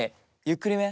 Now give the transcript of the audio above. ゆっくりめ。